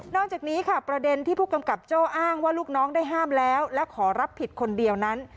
จากนี้ค่ะประเด็นที่ผู้กำกับโจ้อ้างว่าลูกน้องได้ห้ามแล้วและขอรับผิดคนเดียวนั้น